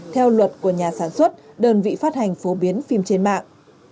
theo luật của nhà sản xuất đơn vị phát hành phổ biến phim trên mạng